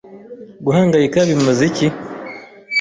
Guhangayika bimaze iki?